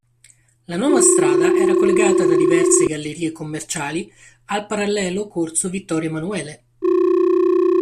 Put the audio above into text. La nuova strada era collegata da diverse gallerie commerciali al parallelo corso Vittorio Emanuele.